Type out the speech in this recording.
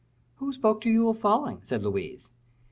"Who spoke to you of falling?" said Louise.